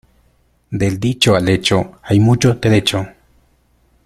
Del dicho al hecho hay mucho trecho.